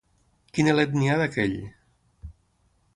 Quin elet n'hi ha, d'aquell!